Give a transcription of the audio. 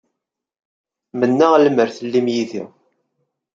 Mennaɣ lemmer tellim yid-i.